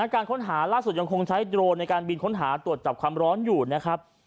การค้นหาล่าสุดยังคงใช้โดรนในการบินค้นหาตรวจจับความร้อนอยู่นะครับ